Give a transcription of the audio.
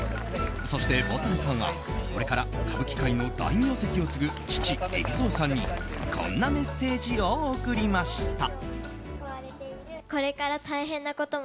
そして、ぼたんさんはこれから歌舞伎界の大名跡を継ぐ父・海老蔵さんにこんなメッセージを送りました。